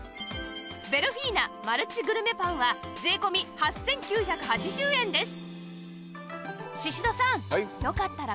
ベルフィーナマルチグルメパンは税込８９８０円です